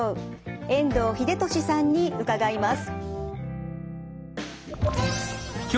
遠藤英俊さんに伺います。